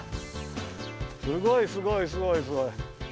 すごいすごいすごいすごい。